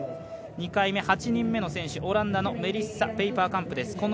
２回目８人目の選手、オランダのメリッサ・ペイパーカンプです。